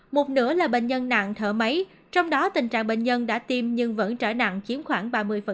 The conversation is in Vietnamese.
một nữa là bệnh nhân nặng thở máy trong đó tình trạng bệnh nhân đã tiêm nhưng vẫn trở nặng chiếm khoảng ba mươi